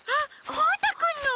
ブー太くんの！